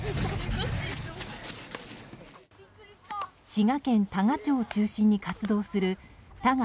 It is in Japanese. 滋賀県多賀町を中心に活動する多賀